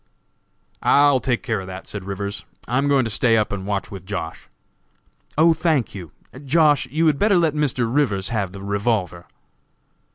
"I will take care of that," said Rivers, "I am going to stay up and watch with Josh." "Oh, thank you! Josh., you had better let Mr. Rivers have the revolver."